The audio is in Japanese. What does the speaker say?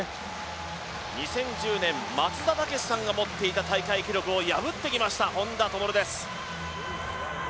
２０１０年、松田丈志さんが持っていた大会記録を破ってきました、本多灯です。